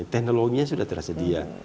teknologinya sudah tersedia